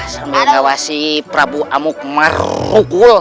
sambil mengawasi prabu amuk marugul